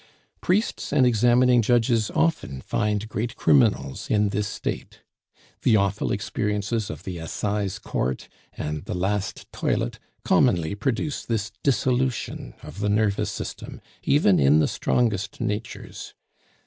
Priests and examining judges often find great criminals in this state. The awful experiences of the Assize Court and the "last toilet" commonly produce this dissolution of the nervous system, even in the strongest natures.